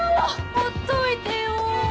ほっといてよ